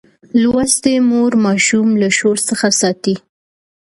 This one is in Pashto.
لوستې مور ماشوم له شور څخه ساتي.